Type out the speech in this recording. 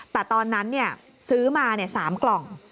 แต่ตอนนั้นซื้อมา๓กล่อง